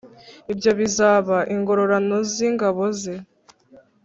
ibyo bizaba ingororano z ingabo ze